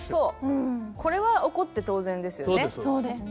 これは怒って当然ですよね。